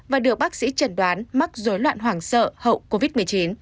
và được bác sĩ chẩn đoán mắc dối loạn hoàng sợ hậu covid một mươi chín